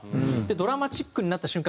ドラマチックになった瞬間